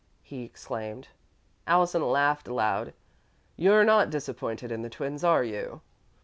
he exclaimed. Allison laughed aloud. "You're not disappointed in the twins, are you?"